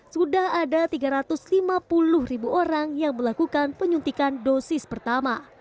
sudah ada tiga ratus lima puluh ribu orang yang melakukan penyuntikan dosis pertama